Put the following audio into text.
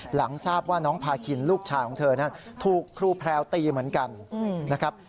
หลังทราบว่าน้องพาคินลูกชายของเธอนั้นถูกครูแพรวตีเหมือนกันนะครับ